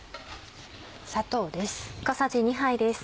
砂糖です。